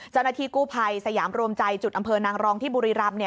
เจ้าหน้าที่กู้ภัยสยามรวมใจจุดอำเภอนางรองที่บุรีรำ